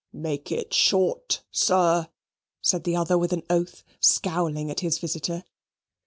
"Make it short, sir," said the other with an oath, scowling at his visitor.